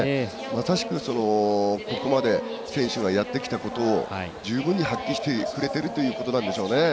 まさしく、ここまで選手がやってきたことを十分に発揮してくれてるということなんでしょうね。